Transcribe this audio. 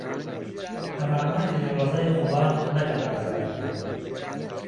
ئهما مهحزی ڕهزای خوڵا مهده ئازارم